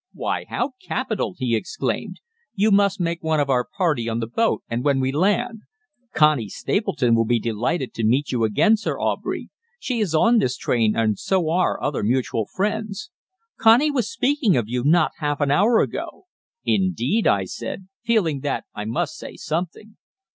"Why, how capital!" he exclaimed. "You must make one of our party on the boat, and when we land. Connie Stapleton will be delighted to meet you again, Sir Aubrey; she is on this train, and so are other mutual friends. Connie was speaking of you not half an hour ago." "Indeed?" I said, feeling that I must say something.